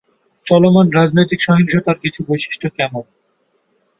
চলমান রাজনৈতিক সহিংসতার কিছু বৈশিষ্ট্য কেমন?